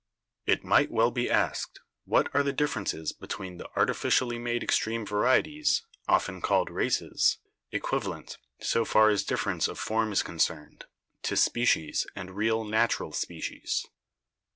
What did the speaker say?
It might well be asked, What are the differences between the artificially made extreme varieties (often called races), equivalent, so far as difference of form is concerned, to species, and real natural species?